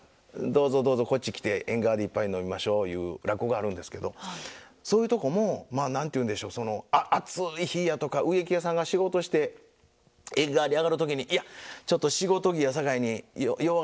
どうぞどうぞこっち来て縁側で一杯飲みましょう」いう落語があるんですけどそういうとこもまあ何て言うんでしょうその暑い日やとか植木屋さんが仕事して縁側に上がる時に「いやちょっと仕事着やさかいによう